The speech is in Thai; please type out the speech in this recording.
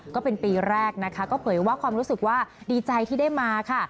ก็เป็นปีแรกนะคะก็เผยว่าความรู้สึกว่าดีใจที่ได้มาค่ะ